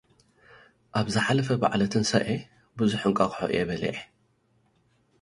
ኣብ ዝሓለፈ በዓለ ትንሳኤ፡ ብዙሕ እንቛቝሖ እየ በሊዐ።